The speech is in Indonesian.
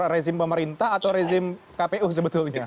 rezim pemerintah atau rezim kpu sebetulnya